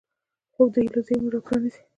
خوب د هیلو زېرمې راپرانيزي